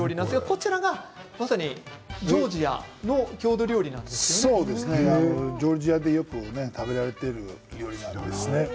こちらがまさにジョージアのジョージアでよく食べられている料理なんですね。